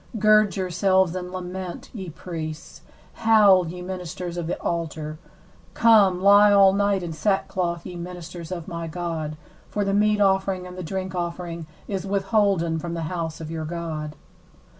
13Gird yourselves, and lament, ye priests: howl, ye ministers of the altar: come, lie all night in sackcloth, ye ministers of my God: for the meat offering and the drink offering is withholden from the house of your God.